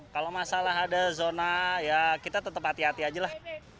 kalau masalah ada zona ya kita tetap hati hati aja lah